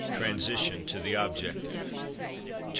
TRANSITION TO THE OBJECTIVE. 299.